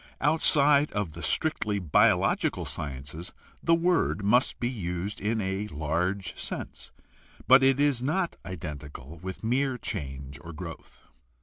Outside of the strictly biological sciences the word must be used in a large sense, but it is not identical with mere change or growth.